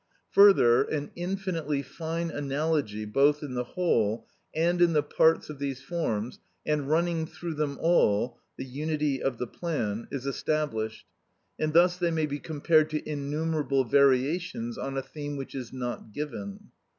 Further, an infinitely fine analogy both in the whole and in the parts of these forms, and running through them all (unité de plan), is established, and thus they may be compared to innumerable variations on a theme which is not given.